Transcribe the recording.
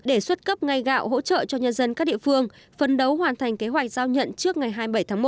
đề xuất cấp ngay gạo hỗ trợ cho nhân dân các địa phương phân đấu hoàn thành kế hoạch giao nhận trước ngày hai mươi bảy tháng một